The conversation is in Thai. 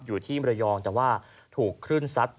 อยู่ที่มรยองแต่ว่าถูกคลื่นซัด